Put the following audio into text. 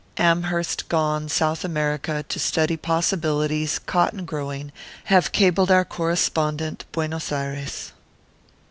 "Amherst gone South America to study possibilities cotton growing have cabled our correspondent Buenos Ayres."